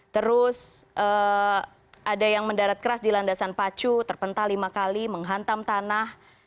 terus ada yang mendarat keras di landasan pacu terpental lima kali menghantam tanah